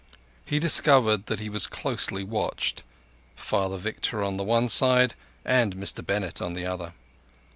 He discovered that he was closely watched—Father Victor on the one side, and Mr Bennett on the other.